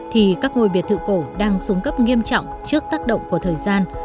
thì các ngôi biệt thự cổ đang xuống cấp nghiêm trọng trước tác động của thời gian